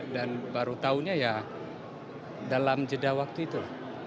dan baru taunya ya dalam jeda waktu itu